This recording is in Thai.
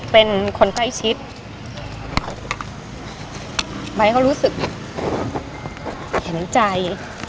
เป็นคนใกล้ชิดไบท์เขารู้สึกเห็นใจ